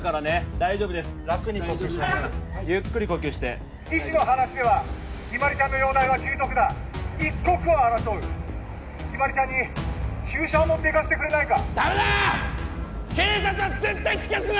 大丈夫です楽に呼吸してくださいゆっくり呼吸して医師の話では日葵ちゃんの容体は重篤だ一刻を争う日葵ちゃんに注射を持って行かせてくれないかダメだ警察は絶対近づくな！